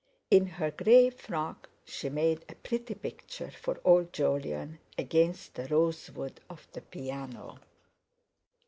In her grey frock she made a pretty picture for old Jolyon, against the rosewood of the piano.